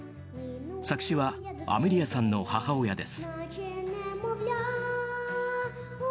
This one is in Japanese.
作詞はアメリアさんの母親です。